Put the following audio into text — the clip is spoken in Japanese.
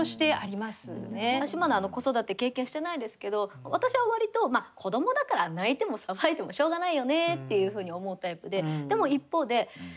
私まだ子育て経験してないですけど私は割と子どもだから泣いても騒いでもしょうがないよねっていうふうに思うタイプででも一方で何で子ども泣くんだよ